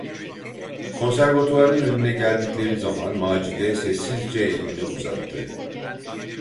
Konservatuvarın önüne geldikleri zaman Macide sessizce elini uzattı.